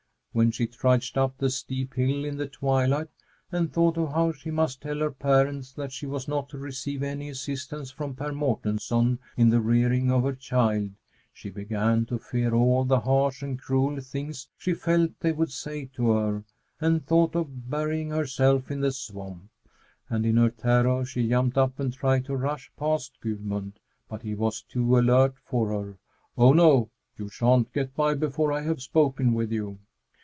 When she trudged up the steep hill in the twilight and thought of how she must tell her parents that she was not to receive any assistance from Per Mårtensson in the rearing of her child, she began to fear all the harsh and cruel things she felt they would say to her and thought of burying herself in the swamp. And in her terror she jumped up and tried to rush past Gudmund; but he was too alert for her. "Oh, no! You sha'n't get by before I have spoken with you."